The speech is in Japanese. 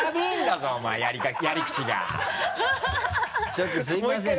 ちょっとすみません